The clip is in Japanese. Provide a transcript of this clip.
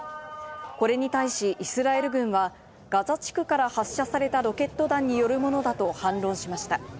これに対しイスラエル軍はガザ地区から発射されたロケット弾によるものだと反論しました。